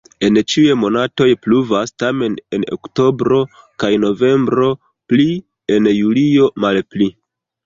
En ĉiuj monatoj pluvas, tamen en oktobro kaj novembro pli, en julio malpli.